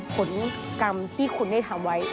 ผลกรรมที่คุณได้ทำไว้